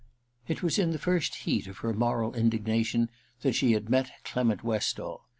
It was in the first heat of her moral indigna tion that she had met Clement Westall.